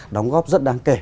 đóng góp rất đáng kể